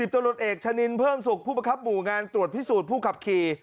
ตรวจเอกชะนินเพิ่มสุขผู้ประคับหมู่งานตรวจพิสูจน์ผู้ขับขี่